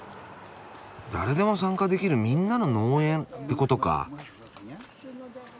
誰でも参加できるみんなの農園ってことか。